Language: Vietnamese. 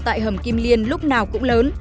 tại hầm kim liên lúc nào cũng lớn